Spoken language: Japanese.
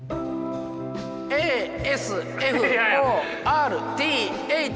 ＡＳＦＯＲＴＨ。